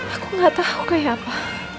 aku gak tahu kayak apa